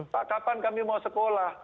pak kapan kami mau sekolah